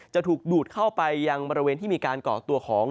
จะถูกดูดเข้าไปยังบริเวณที่มีการก่อตัวของ